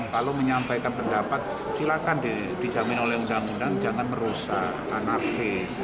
kalau menyampaikan pendapat silakan dijamin oleh undang undang jangan merusak anarki